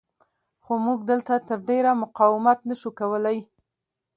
خو موږ دلته تر ډېره مقاومت نه شو کولی.